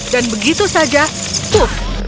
dan begitu saja puf